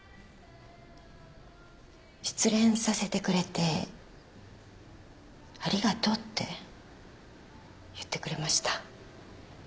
失恋させてくれてありがとうって言ってくれました。